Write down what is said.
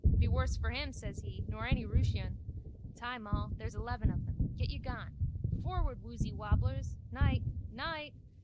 Be worse for him, says he, nor any Rooshian. Time all. There's eleven of them. Get ye gone. Forward, woozy wobblers! Night. Night.